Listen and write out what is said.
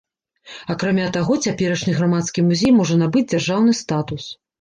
Акрамя таго, цяперашні грамадскі музей можа набыць дзяржаўны статус.